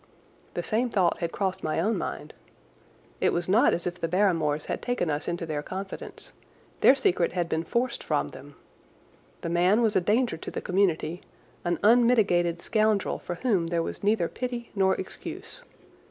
The same thought had crossed my own mind. It was not as if the Barrymores had taken us into their confidence. Their secret had been forced from them. The man was a danger to the community, an unmitigated scoundrel for whom there was neither pity nor excuse.